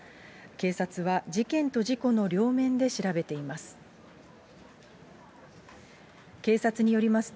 警察は事件と事故の両面で調べています。